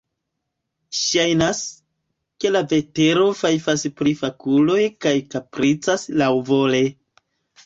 Ŝajnas, ke la vetero fajfas pri fakuloj kaj kapricas laŭvole.